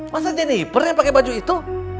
masa jennifer yang pake baju itu